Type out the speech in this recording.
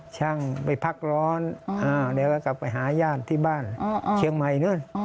คุณลุงคืออาทิตย์เดียวได้ใช่ไหม